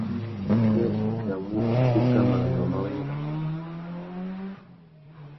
Mbétékénô zê udzanamú itéka manônōh má wenga.